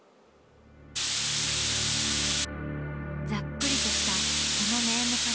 ざっくりとしたこのネームから。